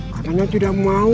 makanya tidak mau